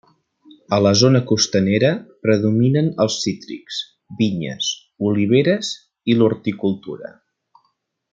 A la zona costanera predominen els cítrics, vinyes, oliveres i l'horticultura.